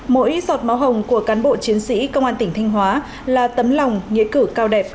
mỗi giọt máu hồng của cán bộ chiến sĩ công an tỉnh thanh hóa là tấm lòng nghĩa cử cao đẹp